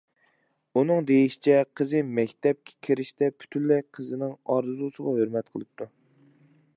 ئۇنىڭ دېيىشىچە، قىزى مەكتەپكە كىرىشتە پۈتۈنلەي قىزىنىڭ ئارزۇسىغا ھۆرمەت قىلىپتۇ.